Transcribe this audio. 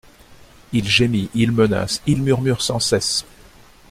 Il gémit, il menace, il murmure sans cesse.